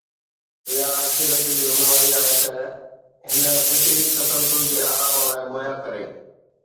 اها اڪثريت جي ذميواري آهي ته هن فطري تسلسل جي آرام لاءِ مهيا ڪري.